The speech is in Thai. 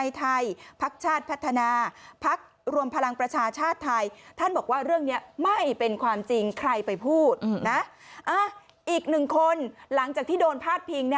อีกหนึ่งคนหลังจากที่โดนพาดพิง